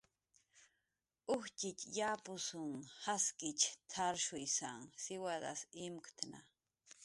"Ujtxitx yapusn jaskich t""arshuysan siwadas imktna"